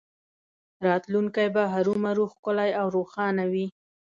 راتلونکی به هرومرو ښکلی او روښانه وي